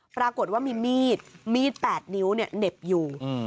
ปรากฏว่ามีมีดมีดแปดนิ้วเนี่ยเหน็บอยู่อืม